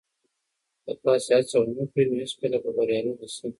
که تاسي هڅه ونه کړئ نو هیڅکله به بریالي نه شئ.